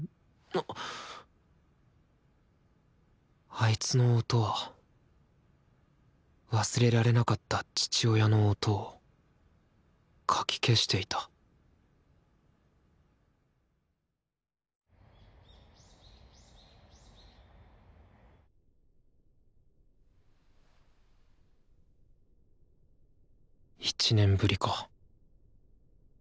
あいつの音は忘れられなかった父親の音をかき消していた１年ぶりか。